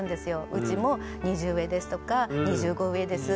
「うちも２０上です」とか「２５上です」